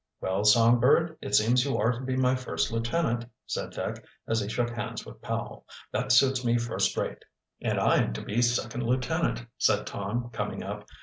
"Well, Songbird, it seems you are to be my first lieutenant," said Dick as he shook hands with Powell. "That suits me first rate." "And I am to be second lieutenant," said Tom, coming up.